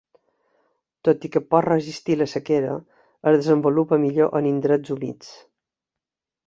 Tot i que pot resistir la sequera, es desenvolupa millor en indrets humits.